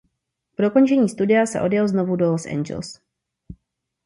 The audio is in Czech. Po dokončení studia se odjel znovu do Los Angeles.